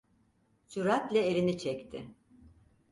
Süratle elini çekti.